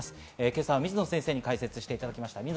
今朝は水野先生に解説していただきました。